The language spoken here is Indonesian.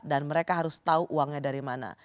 dan mereka harus tahu uangnya dari mana